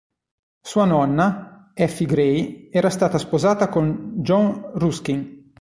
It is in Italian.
Sua nonna, Effie Gray era stata sposata con John Ruskin.